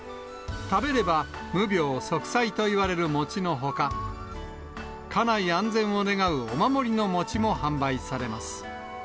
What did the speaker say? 食べれば、無病息災といわれる餅のほか、家内安全を願うお守りの餅も販売されます。